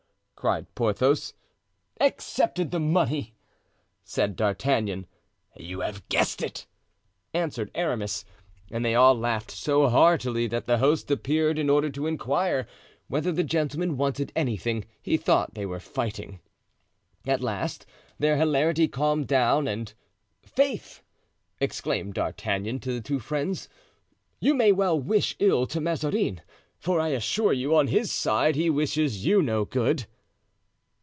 cried Porthos. "Accepted the money!" said D'Artagnan. "You have guessed it," answered Aramis; and they all laughed so heartily that the host appeared in order to inquire whether the gentlemen wanted anything; he thought they were fighting. At last their hilarity calmed down and: "Faith!" exclaimed D'Artagnan to the two friends, "you may well wish ill to Mazarin; for I assure you, on his side he wishes you no good."